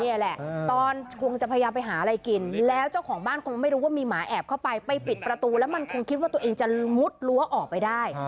แหละตอนคงจะพยายามไปหาอะไรกินแล้วเจ้าของบ้านคงไม่รู้ว่ามีหมาแอบเข้าไปไปปิดประตูแล้วมันคงคิดว่าตัวเองจะมุดรั้วออกไปได้